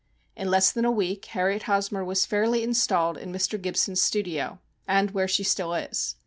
In less than a week, Harriet Hosmor was fairly installed in Mr. Gibson's studio, and where she still is.